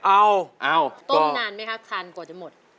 เอาต้มนานไหมครับทานกว่าจะหมด